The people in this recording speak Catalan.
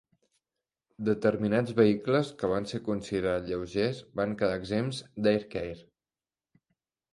Determinats vehicles que van ser considerats lleugers van quedar exempts d'AirCare.